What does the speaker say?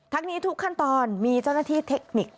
นี้ทุกขั้นตอนมีเจ้าหน้าที่เทคนิค